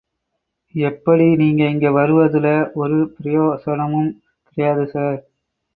எப்படி.. நீங்க இங்க வருவதுல ஒரு பிரயோசனமும் கிடையாது சார்.